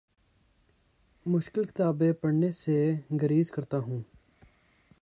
مشکل کتابیں پڑھنے سے گریز کرتا ہوں